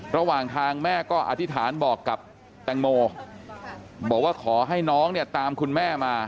ระหว่างทางแม่ก็อธิษฐานบอกกับแตงโมบอกว่าขอให้น้องเนี่ยตามคุณแม่มา